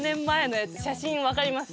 写真分かります